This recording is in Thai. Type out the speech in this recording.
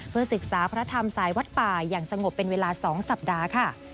ศึกษาพระธรรมสายวัดป่าอย่างสงบเป็นเวลา๒สัปดาห์ค่ะ